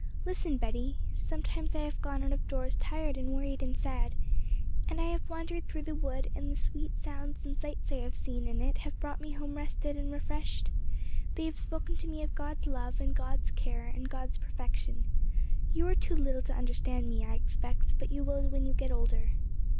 'Listen, Betty. Sometimes I have gone out of doors tired and worried and sad; I have wandered through the wood, and the sweet sounds and sights I have seen in it have brought me home rested and refreshed. They have spoken to me of God's love, and God's care, and God's perfection. You are too little to understand me, I expect, but you will when you get older.